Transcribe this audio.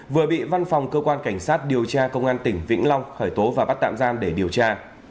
vừa bị văn phòng cơ quan cảnh sát điều tra công an tỉnh vĩnh long khởi tố và bắt tạm giam để điều tra